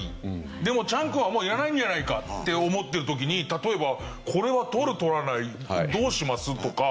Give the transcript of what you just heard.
でもチャン君はもういらないんじゃないかって思ってる時に例えばこれは取る取らないどうします？とか。